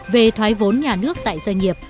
về thoái vốn nhà nước tại doanh nghiệp